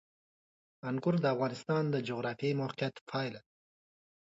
انګور د افغانستان د جغرافیایي موقیعت پایله ده.